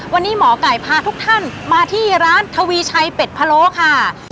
วันนี้หมอไก่พาทุกท่านมาที่ร้านทวีชัยเป็ดพะโลค่ะ